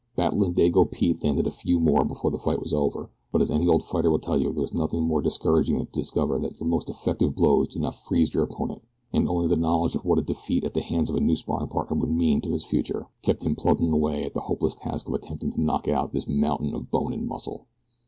Battling Dago Pete landed a few more before the fight was over, but as any old fighter will tell you there is nothing more discouraging than to discover that your most effective blows do not feeze your opponent, and only the knowledge of what a defeat at the hands of a new sparring partner would mean to his future, kept him plugging away at the hopeless task of attempting to knock out this mountain of bone and muscle.